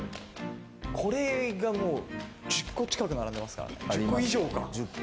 これがもう１０個近く並んでますからね、１０個以上か。